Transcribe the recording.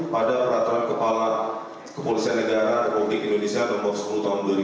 pada peraturan kepala kepolisian negara republik indonesia nomor sepuluh tahun dua ribu dua puluh